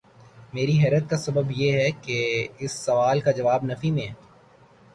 میری حیرت کا سبب یہ ہے کہ اس سوال کا جواب نفی میں ہے۔